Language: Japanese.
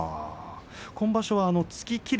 今場所は突ききる